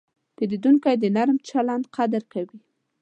پیرودونکی د نرم چلند قدر کوي.